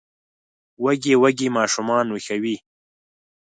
وږي وږي ماشومان ویښوي